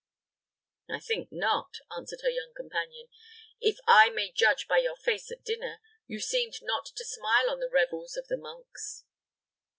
"I think not," answered her young companion, "if I may judge by your face at dinner. You seemed not to smile on the revels of the monks."